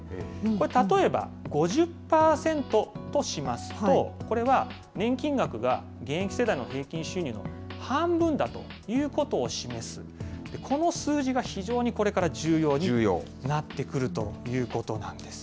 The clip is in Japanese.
これ、例えば５０％としますと、これは年金額が現役世代の平均収入の半分だということを示す、この数字が非常にこれから重要になってくるということなんです。